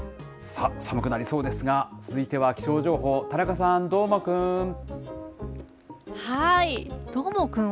さあ、寒くなりそうですが、続いては気象情報、田中さん、どーもくん。